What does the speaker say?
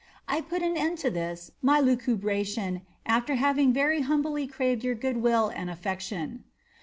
I put an end to this my lucubration after having yerj humbly craved your good will and affection.